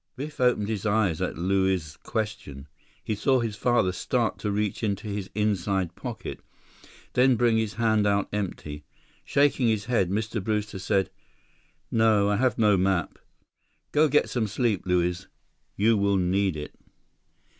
Biff opened his eyes at Luiz's question. He saw his father start to reach into his inside pocket, then bring his hand out empty. Shaking his head, Mr. Brewster said: "No, I have no map. Go get some sleep, Luiz. You will need it."